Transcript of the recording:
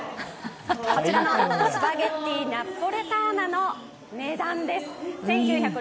スパゲッティ・ナポレターナの値段です。